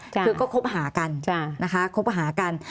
คือก็คบหากันนะคะคบหากัน